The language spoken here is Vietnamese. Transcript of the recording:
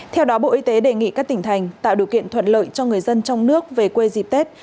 theo đó bộ y tế đề nghị các tỉnh thành tạo điều kiện thuận lợi cho người dân trong nước về quê dịp tết